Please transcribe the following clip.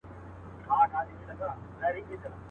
د جنت پر کوثرونو به اوبېږي.